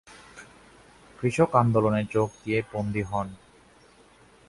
কৃষক আন্দোলনে যোগ দিয়ে বন্দী হন।